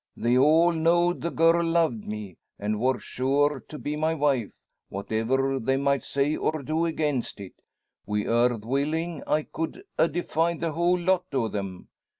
They all knowed the girl loved me, and wor sure to be my wife, whatever they might say or do against it. Wi' her willing I could a' defied the whole lot o' them.